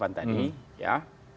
pakailah jodoh forbil katanya